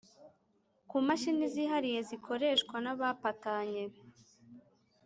kumashini zihariye zikoreshwa n’abapatanye